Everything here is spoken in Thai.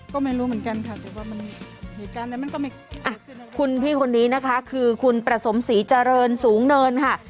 ก็ไม่รู้เหมือนกันค่ะแต่ว่ามันเหตุการณ์อะไรมันก็ไม่อ่ะคุณพี่คนนี้นะคะคือคุณประสมศรีเจริญสูงเนินค่ะ